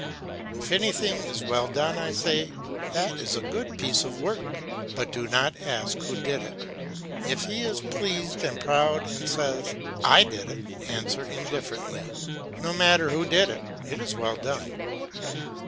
If anything is well done, I say, "That is a good piece of work," but do not ask who did it. If he is pleased and proud and says, "I did it," answer indifferently, "No matter who did it, it is well done."